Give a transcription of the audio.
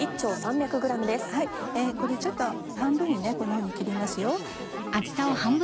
これちょっと半分にこんなふうに切りますよ。